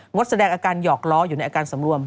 ดแสดงอาการหยอกล้ออยู่ในอาการสำรวม